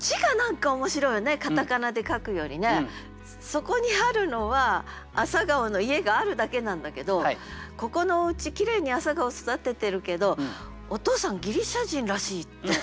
そこにあるのはあさがほの家があるだけなんだけどここのおうちきれいに朝顔育ててるけどお父さんギリシャ人らしいって。